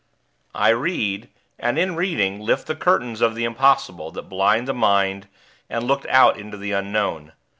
I read, and, in reading, lifted the Curtains of the Impossible that blind the mind, and looked out into the unknown.